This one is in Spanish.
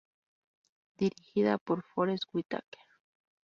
Dirigida por Forest Whitaker.